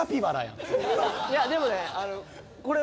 いやでもねこれ。